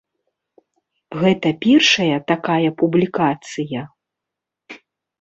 Гэта першая такая публікацыя?